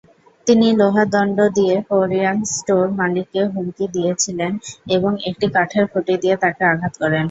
তিনি লোহার দণ্ড দিয়ে কোরিয়ান স্টোর মালিককে হুমকি দিয়েছিলেন এবং একটি কাঠের খুঁটি দিয়ে তাকে আঘাত করেন।